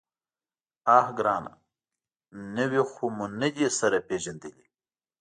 _اه ګرانه! نوي خو مو نه دي سره پېژندلي.